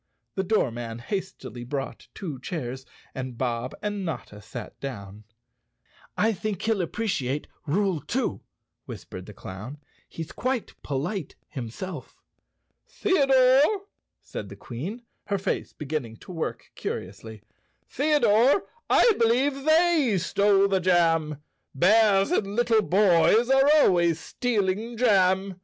The doormen hastily brought two chairs and Bob and Notta sat down. "I think he'll appreciate rule two," whispered the clown. "He's quite polite himself." "Theodore," said the Queen, her face beginning to work curiously, "Theodore, I believe they stole the jam. Bears and little boys are always stealing jam.